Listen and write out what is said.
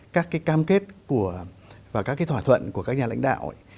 các cái cam kết và các cái thỏa thuận của các nhà lãnh đạo